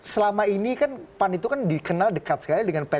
selama ini kan pan itu dikenal dekat sekali dengan ppr